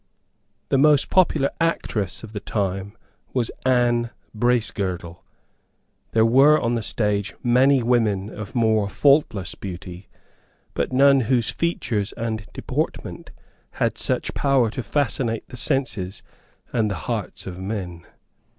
The most popular actress of the time was Anne Bracegirdle. There were on the stage many women of more faultless beauty, but none whose features and deportment had such power to fascinate the senses and the hearts of men.